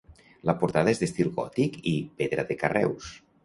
La portada és d'estil gòtic i pedra de carreus.